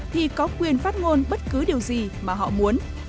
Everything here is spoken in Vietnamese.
thì có quyền phát ngôn bất cứ điều gì mà họ muốn